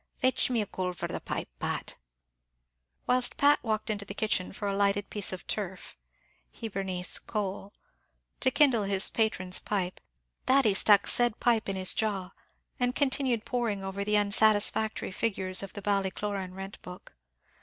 Fetch me a coal for the pipe, Pat." Whilst Pat walked into the kitchen for a lighted piece of turf (Hibernice, coal) to kindle his patron's pipe, Thady stuck the said pipe in his jaw, and continued poring over the unsatisfactory figures of the Ballycloran rent book.